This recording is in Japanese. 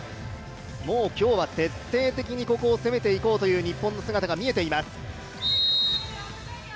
もう今日は徹底的にここを攻めていこうという日本の姿が見えています。